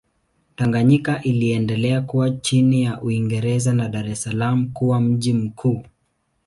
Tanganyika iliendelea kuwa chini ya Uingereza na Dar es Salaam kuwa mji mkuu.